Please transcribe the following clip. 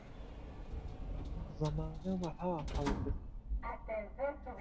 زهمانه وهها ههڵ برد